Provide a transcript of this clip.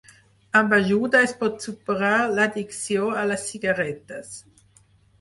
Amb ajuda es pot superar l'addicció a les cigarretes.